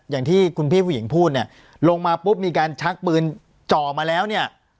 อย่างที่คุณพี่ผู้หญิงพูดเนี่ยลงมาปุ๊บมีการชักปืนจ่อมาแล้วเนี่ย